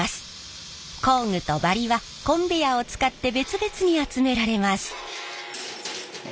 工具とバリはコンベヤーを使って別々に集められます。